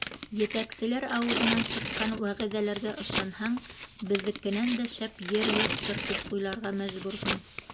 Етәкселәр ауыҙынан сыҡҡан вәғәҙәләргә ышанһаң, беҙҙекенән дә шәп ер юҡтыр, тип уйларға мәжбүрһең.